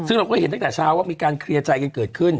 ซึ่งเราก็เห็นตั้งแต่เช้าว่ามีการเคลียร์ใจกันเกิดขึ้น